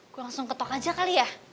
gue langsung ketok aja kali ya